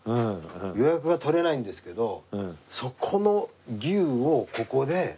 予約が取れないんですけどそこの牛をここで。